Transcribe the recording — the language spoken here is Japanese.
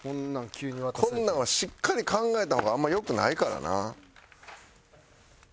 こんなんはしっかり考えた方があんま良くないからな。